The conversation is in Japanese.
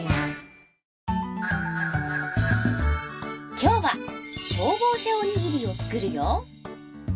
今日は消防車おにぎりを作るよ。